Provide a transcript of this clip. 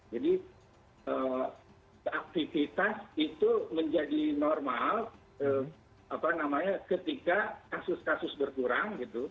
jadi aktivitas itu menjadi normal ketika kasus kasus berkurang